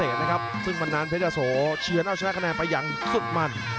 เรียกว่าวิทยาลัยมันนานเภชโสเชียนเอาชนะกำแหน้นไปอย่างสุดมั่น